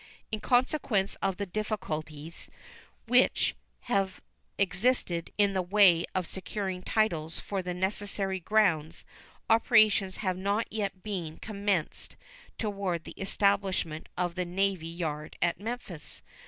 In consequence of the difficulties which have existed in the way of securing titles for the necessary grounds, operations have not yet been commenced toward the establishment of the navy yard at Memphis.